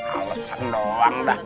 alasan doang dah